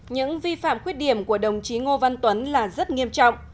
những vi phạm khuyết điểm của đồng chí ngô văn tuấn là rất nghiêm trọng